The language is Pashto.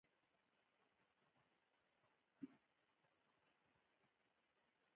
انار د افغان کلتور په ټولو داستانونو کې ډېره راځي.